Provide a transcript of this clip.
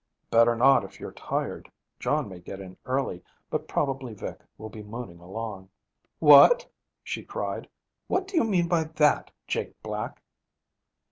'Better not, if you're tired. John may get in early, but probably Vic will be mooning along.' 'What?' she cried. 'What do you mean by that, Jake Black?'